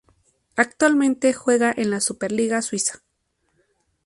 Actualmente juega en la Superliga Suiza.